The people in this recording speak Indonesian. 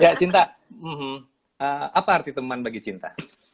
gak cinta apa arti teman bagi cinta